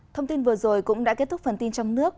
thông tin vừa rồi cũng đã kết thúc phần tin trong nước